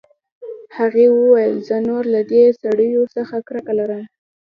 هغې وویل زه نور له دې سړیو څخه کرکه لرم